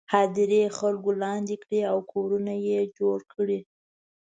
هدیرې خلکو لاندې کړي او کورونه یې جوړ کړي.